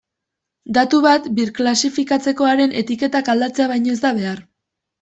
Datu bat birklasifikatzeko haren etiketak aldatzea baino ez da behar.